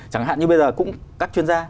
chẳng hạn như bây giờ cũng các chuyên gia